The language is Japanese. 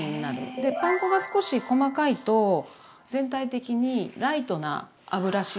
でパン粉が少し細かいと全体的にライトな油使用感になるので。